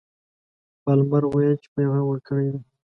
پالمر ویل چې پیغام ورکړی دی.